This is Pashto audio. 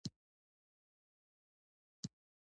احمد چې خوسا کبان وليدل؛ اوس يې زړه را جيګېږي.